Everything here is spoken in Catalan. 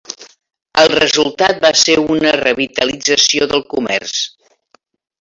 El resultat va ser una revitalització del comerç.